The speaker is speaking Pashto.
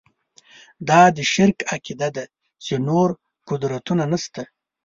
دا د شرک عقیده ده چې نور قدرتونه شته.